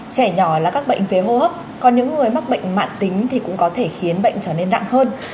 trẻ nhỏ là các bệnh phế hô hấp còn những người mắc bệnh mạn tính thì cũng có thể khiến bệnh trở nên đặng hơn